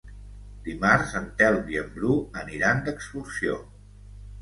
Dimarts en Telm i en Bru aniran d'excursió.